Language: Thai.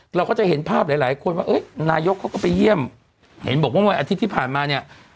เราก็จะเห็นภาพหลายหลายคนว่านายกเขาก็ไปเยี่ยมเห็นบอกว่าวันอาทิตย์ที่ผ่านมาเนี่ย